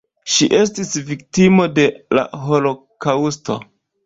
Ŝi estis viktimo de la holokaŭsto.